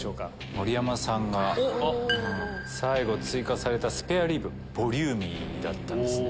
盛山さんが最後追加されたスペアリブボリューミーだったんですね。